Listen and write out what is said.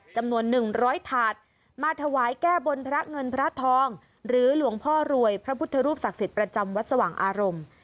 จำนวน๑๐๐ถาดมาถวายแก้บนพระเงินพระทองหรือหลวงพ่อรวยพระพุทธรูปศักดิ์สิทธิ์ประจำวัดสว่างอารมณ์